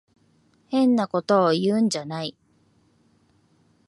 変なことを言うんじゃない。